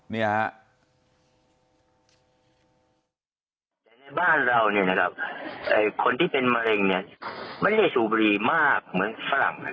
ในบ้านเราคนที่เป็นมะเร็งไม่ได้สูบบุรีมากเหมือนฝรั่ง